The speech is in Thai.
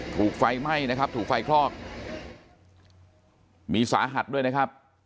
ถูกไฟไหม้นะครับถูกไฟคลอกมีสาหัสด้วยนะครับ